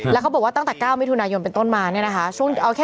แล้วเขาบอกว่าตั้งแต่๙มิถุนายนเป็นต้นมาเนี่ยนะคะ